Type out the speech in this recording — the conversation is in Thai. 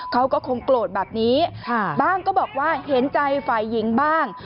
เขาก็คงโกรธแบบนี้บ้างก็บอกว่าเห็นใจฝ่ายหญิงบ้าง